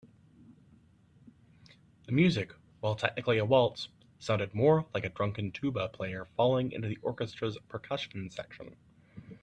The music, while technically a waltz, sounded more like a drunken tuba player falling into the orchestra's percussion section.